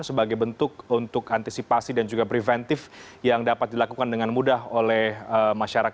terima kasih selamat sore